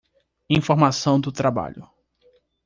Informação do trabalho